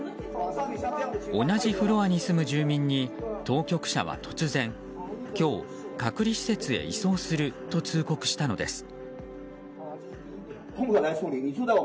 同じフロアに住む住民に当局者は突然今日、隔離施設へ移送すると通告したのです。